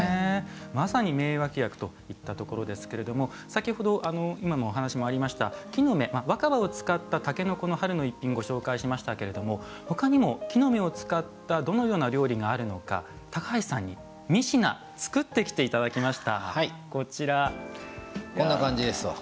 まさに名脇役といったところですけども今もお話がありました木の芽、若葉を使った春の逸品をご紹介しましたけどほかにも木の芽を使ったどのような料理があるのか高橋さんに、二品作ってきていただきました。